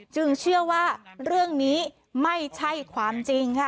เชื่อว่าเรื่องนี้ไม่ใช่ความจริงค่ะ